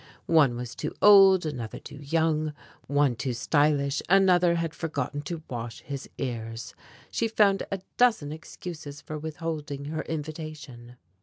One was too old, another too young, one too stylish, another had forgotten to wash his ears. She found a dozen excuses for withholding her invitation.